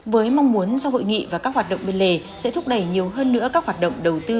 với mong muốn sau hội nghị và các hoạt động bên lề sẽ thúc đẩy nhiều hơn nữa các hoạt động đầu tư